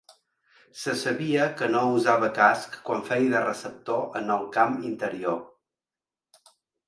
Se sabia que no usava casc quan feia de receptor en el camp interior.